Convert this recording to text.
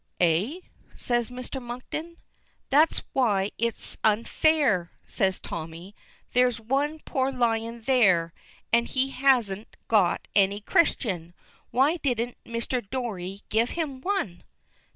"Eh?" says Mr. Monkton. "That's why it's unfair!" says Tommy. "There is one poor lion there, and he hasn't got any Christian! Why didn't Mr. Dory give him one?"